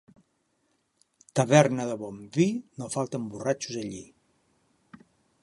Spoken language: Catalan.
Taverna de bon vi, no falten borratxos allí.